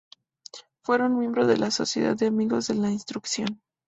Fue miembro de la Sociedad de Amigos de la Instrucción.